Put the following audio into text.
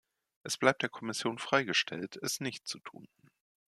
Es bleibt der Kommission freigestellt, es nicht zu tun.